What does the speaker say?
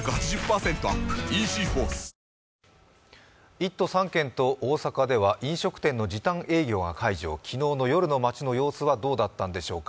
１都３県と大阪では飲食店の時短営業が解除、昨日の夜の街の様子はどうだったでしょうか。